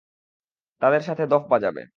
তাদের সাথে দফ বাজাবে।